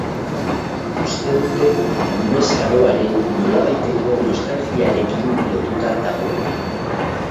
Uste dute umezaroaren nolabaiteko nostalgiarekin lotuta dagoela.